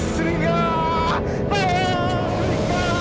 sebentar lagi kamu muncah darah